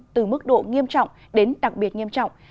từ mức độ nghiêm trọng đến đặc biệt nghiêm trọng